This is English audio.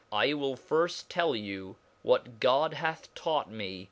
I vvil firft tell you what God harh taught me.